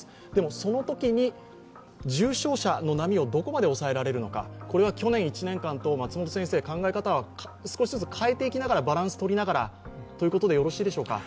そのときに重症者の波をどこまで抑えられるのか、これは去年１年間と考え方を少しずつ変えていきながら、バランスをとりながらということでよろしいでしょうか。